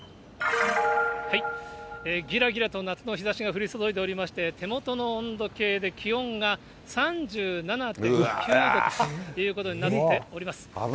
ぎらぎらと夏の日ざしが降り注いでおりまして、手元の温度計で、気温が３７．９度ということになっております。